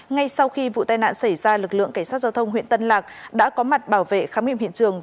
ngay sau khi vụ tai nạn xảy ra lực lượng cảnh sát giao thông huyện tân lạc đã có mặt bảo vệ khám nghiệm hiện trường